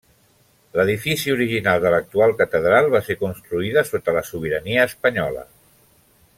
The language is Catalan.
L'edifici original de l'actual catedral va ser construïda sota la sobirania espanyola.